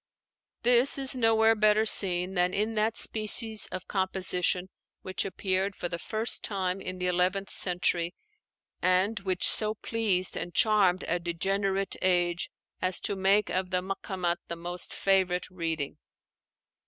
This is nowhere better seen than in that species of composition which appeared for the first time in the eleventh century, and which so pleased and charmed a degenerate age as to make of the 'Makamat' the most favorite reading.